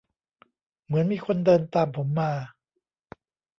เหมือนมีคนเดินตามผมมา